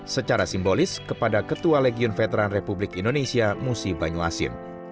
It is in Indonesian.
secara simbolis kepada ketua legion veteran republik indonesia musi banyuasin